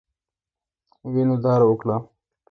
وینو داره وکړه.